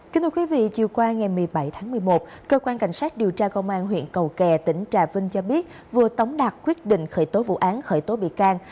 chiều qua ngày một mươi bảy tháng một mươi một cơ quan cảnh sát điều tra công an huyện cầu kè tỉnh trà vinh cho biết vừa tống đạt quyết định khởi tố vụ án khởi tố bị can